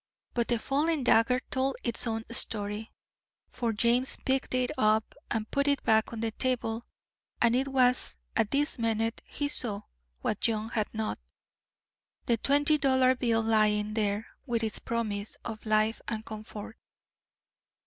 But the fallen dagger told its own story, for James picked it up and put it back on the table, and it was at this minute he saw, what John had not, the twenty dollar bill lying there with its promise of life and comfort.